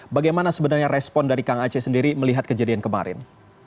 bagaimana sebenarnya respon dari kang aceh sendiri melihat kejadian kemarin